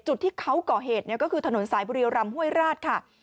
จุดที่เขาก่อเหตุก็คือถนนสายบุรีรำห้วยราชค่ะ